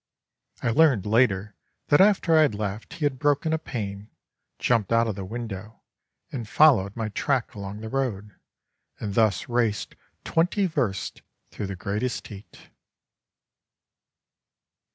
I learned later that after I had left he had broken a pane, jumped out of the window, and followed my track along the road, and thus raced twenty versts through the greatest heat.